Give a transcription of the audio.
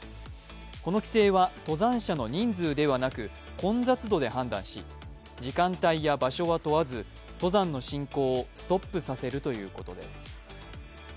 この規制は登山者の人数ではなく混雑度で判断し時間帯や場所は問わず登山の進行をストップさせるということです。